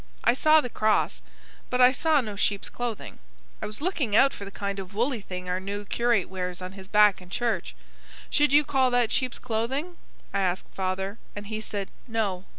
I saw the cross; but I saw no sheep's clothing. I was looking out for the kind of woolly thing our new curate wears on his back in church. Should you call that "sheep's clothing"? I asked father, and he said: "No.